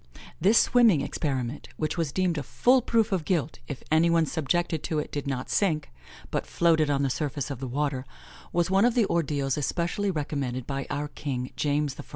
This swimming experiment, which was deemed a full proof of guilt if any one subjected to it did not sink, but floated on the surface of the water, was one of the ordeals especially recommended by our king, James I.